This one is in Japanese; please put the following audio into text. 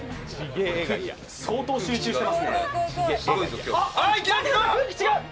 相当集中してますね。